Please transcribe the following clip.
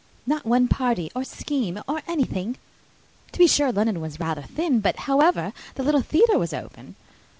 Not one party, or scheme, or anything! To be sure, London was rather thin, but, however, the Little Theatre was open.